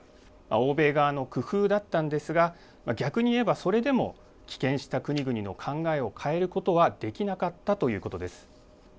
欧米側の工夫だったんですが逆に言えばそれでも棄権した国々の考えを変えることはできなかったということです。